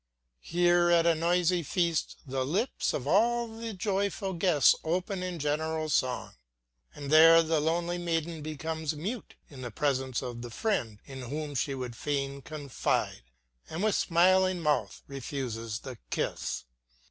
Here at a noisy feast the lips of all the joyful guests open in general song, and there the lonely maiden becomes mute in the presence of the friend in whom she would fain confide, and with smiling mouth refuses the kiss.